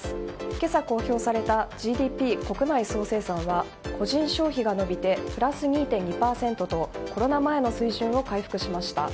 今朝、公表されたＧＤＰ・国内総生産は個人消費が伸びてプラス２．２％とコロナ前の水準を回復しました。